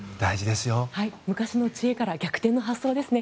昔の知恵から逆転の発想ですね。